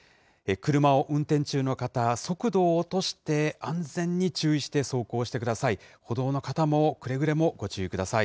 車を運転中の方、速度を落として、安全に注意して、走行してください。